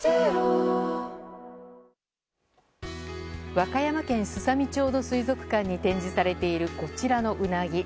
和歌山県すさみ町の水族館に展示されている、こちらのウナギ。